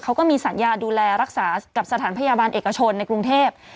เขาก็มีสัญญาดูแลรักษากับสถานพยาบาลเอกชนในกรุงเทพ